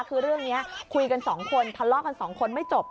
คือเรื่องนี้คุยกันสองคนทะเลาะกันสองคนไม่จบ